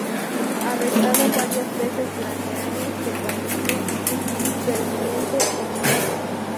Arrestado varias veces durante años, se convirtió en un ferviente comunista.